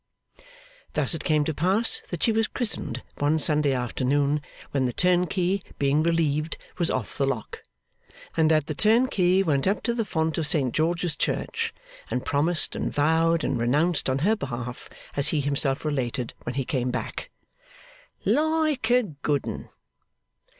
Thus it came to pass that she was christened one Sunday afternoon, when the turnkey, being relieved, was off the lock; and that the turnkey went up to the font of Saint George's Church, and promised and vowed and renounced on her behalf, as he himself related when he came back, 'like a good 'un.